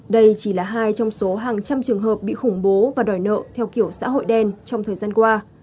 đây chỉ là hai trong số hàng trăm trường hợp bị khủng bố và đòi nợ theo kiểu xã hội đen trong thời gian qua